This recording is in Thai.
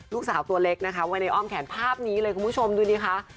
ลูกสาวตัวเล็กนะคะไว้ในอ้อมแขนภาพนี้เลยคุณผู้ชมดูดิคะ